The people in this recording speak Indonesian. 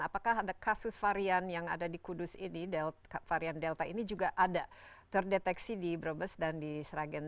apakah ada kasus varian yang ada di kudus ini varian delta ini juga ada terdeteksi di brebes dan di sragen